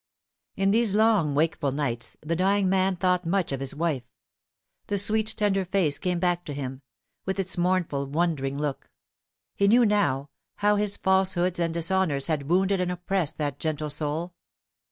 In these long wakeful nights the dying man thought much of his wife. The sweet tender face came back to him, with its mournful wondering look. He knew, now, how his falsehoods and dishonours had wounded and oppressed that gentle soul.